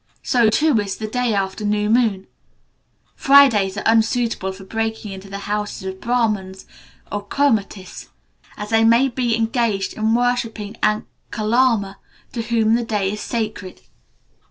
So, too, is the day after new moon." Fridays are unsuitable for breaking into the houses of Brahmans or Komatis, as they may be engaged in worshipping Ankalamma, to whom the day is sacred.